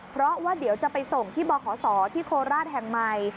เพราะว่าเดี๋ยวจะไปส่งที่บขศที่โคราชแห่งใหม่